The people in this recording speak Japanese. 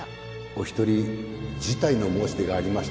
お一人辞退の申し出がありましたので